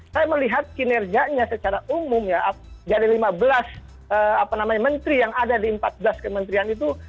saya melihat kinerjanya secara umum ya dari lima belas menteri yang ada di empat belas kementerian itu